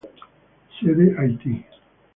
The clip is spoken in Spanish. Sede: Haití.